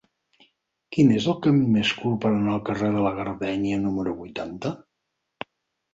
Quin és el camí més curt per anar al carrer de la Gardènia número vuitanta?